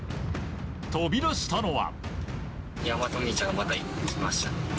飛び出したのは。